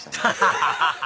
ハハハハ！